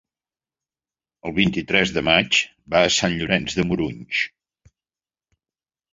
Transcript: El vint-i-tres de maig va a Sant Llorenç de Morunys.